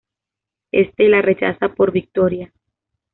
Este la rechaza por Victoria.